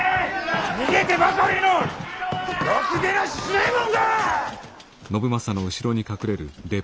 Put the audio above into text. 逃げてばかりのろくでなし強右衛門が！